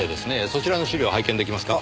そちらの資料拝見出来ますか？